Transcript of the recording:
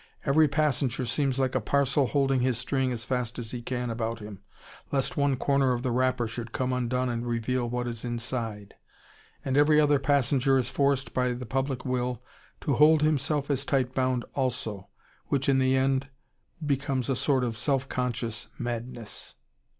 Every passenger seems like a parcel holding his string as fast as he can about him, lest one corner of the wrapper should come undone and reveal what is inside. And every other passenger is forced, by the public will, to hold himself as tight bound also. Which in the end becomes a sort of self conscious madness.